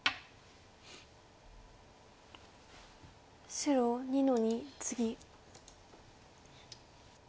白２の二ツギ。